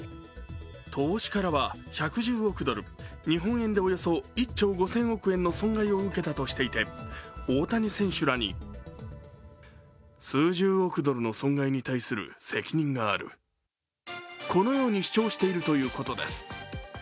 投資家らは、１１０億ドル日本円でおよそ１兆５０００億円の損害を受けたとしていて大谷選手らにこのように主張しているということです。